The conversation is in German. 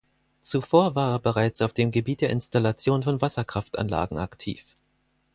Zuvor war er bereits auf dem Gebiet der Installation von Wasserkraftanlagen aktiv.